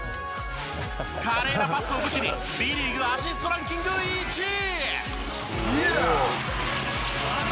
華麗なパスを武器に、Ｂリーグアシストランキング１位。